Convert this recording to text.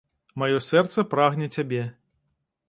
Маё сэрца прагне цябе.